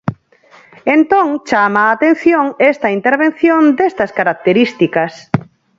Entón chama a atención esta intervención destas características.